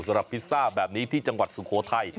พิซซ่าแบบนี้ที่จังหวัดสุโขทัย